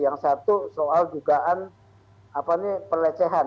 yang satu soal dugaan pelecehan